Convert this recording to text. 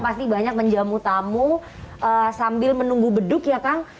pasti banyak menjamu tamu sambil menunggu beduk ya kang